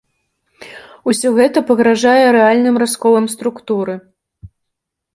Усё гэта пагражае рэальным расколам структуры.